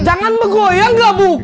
jangan begoyang gak bu